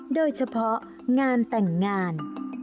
โดยเฉพาะงานแต่งงาน